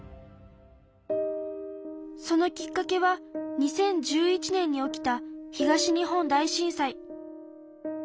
そのきっかけは２０１１年に起きた東日本大震災。